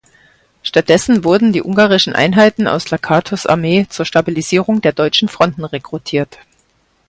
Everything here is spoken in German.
Stattdessen wurden die ungarischen Einheiten aus Lakatos’ Armee zur Stabilisierung der deutschen Fronten rekrutiert.